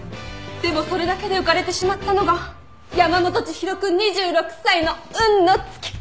でもそれだけで浮かれてしまったのが山本知博君２６歳の運の尽き。